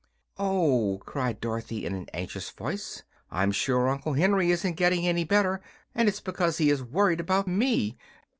"Oh!" cried Dorothy, in an anxious voice, "I'm sure Uncle Henry isn't getting any better, and it's because he is worried about me.